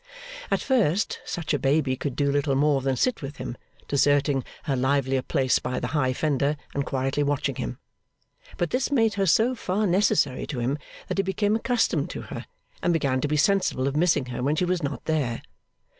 At first, such a baby could do little more than sit with him, deserting her livelier place by the high fender, and quietly watching him. But this made her so far necessary to him that he became accustomed to her, and began to be sensible of missing her when she was not there.